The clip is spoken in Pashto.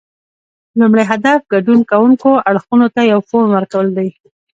لومړی هدف ګډون کوونکو اړخونو ته یو فورم ورکول دي